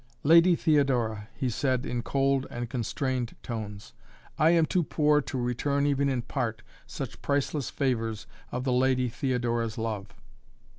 "Lady Theodora," he said in cold and constrained tones, "I am too poor to return even in part such priceless favors of the Lady Theodora's love!"